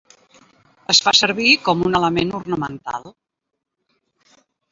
Es fa servir com un element ornamental.